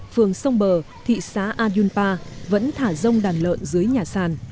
phường sông bờ thị xã a dun pa vẫn thả rông đàn lợn dưới nhà sàn